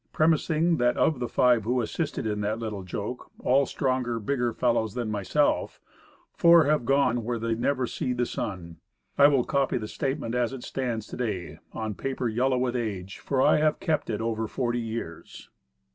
Premising that of the five who assisted in that little joke, all stronger, bigger fellows than myself, four have gone "where they never see the sun," I will copy the statement as it stands to day, on paper yellow with age. For I have kept it over forty years.